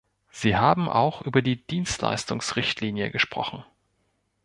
Sie haben auch über die Dienstleistungsrichtlinie gesprochen.